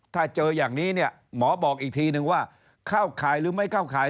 ถ้าเจออย่างนี้เนี่ยหมอบอกอีกทีนึงว่าเข้าข่ายหรือไม่เข้าข่าย